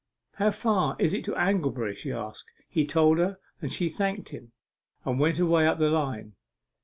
"How far is it to Anglebury?" she said. He told her, and she thanked him, and went away up the line.